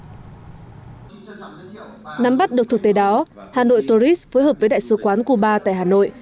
nắm bắt được thực tế đó hà nội tourist phối hợp với đại sứ quán cuba tại hà nội